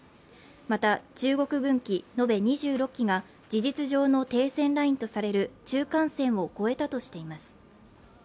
また中国軍機のべ２６機が事実上の停戦ラインとされる中間線を越えたとしています。